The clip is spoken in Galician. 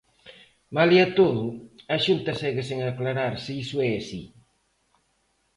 Malia todo, a Xunta segue sen aclarar se iso é así.